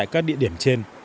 các địa điểm trên